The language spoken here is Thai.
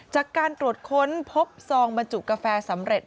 จากการตรวจค้นพบซองบรรจุกาแฟสำเร็จ